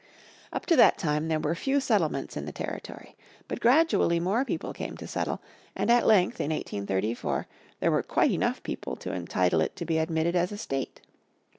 Up to that time there were few settlements in the territory. But gradually more people came to settle, and at length in 1834 there were quite enough people to entitle it to be admitted as a state.